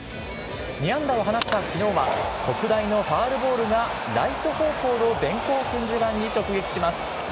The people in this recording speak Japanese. ２安打を放ったきのうは、特大のファウルボールがライト方向の電光掲示板に直撃します。